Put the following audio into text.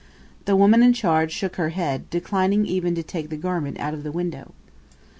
The woman in charge shook her head, declining even to take the garment out of the window.